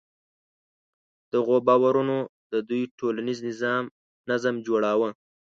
دغو باورونو د دوی ټولنیز نظم جوړاوه.